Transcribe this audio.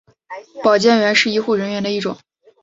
保健员是医护人员的一种。